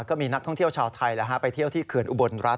ก็มีนักท่องเที่ยวชาวไทยไปเที่ยวที่เขื่อนอุบลรัฐ